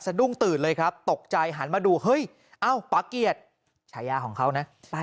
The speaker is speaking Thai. ดุ้งตื่นเลยครับตกใจหันมาดูเฮ้ยเอ้าปะเกียจฉายาของเขานะ